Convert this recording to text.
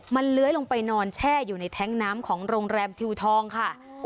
มันเลื้อยลงไปนอนแช่อยู่ในแท้งน้ำของโรงแรมทิวทองค่ะ